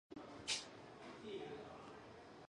弘治十三年卒于任。